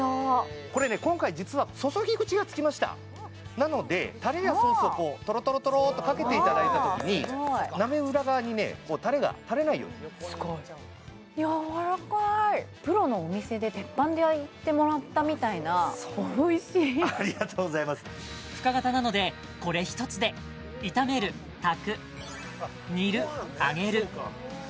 これね今回実は注ぎ口が付きましたなのでタレやソースをとろとろとろっとかけていただいたときに鍋裏側にねもうタレが垂れないようにすごいやわらかいプロのお店で鉄板で焼いてもらったみたいなおいしいありがとうございます深型なのでこれ一つで炒める炊く煮る揚げる